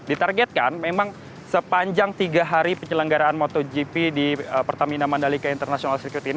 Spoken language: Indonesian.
ditargetkan memang sepanjang tiga hari penyelenggaraan motogp di pertamina mandalika international circuit ini